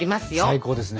最高ですね。